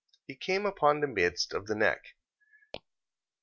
He came upon the midst of the neck...